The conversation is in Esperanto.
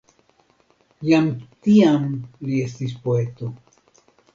Jam tiam li estis poeto.